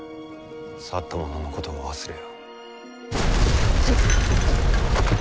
去った者のことは忘れよ。